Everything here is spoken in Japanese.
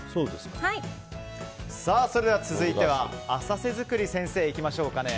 それでは続いて浅瀬作りにいきましょう。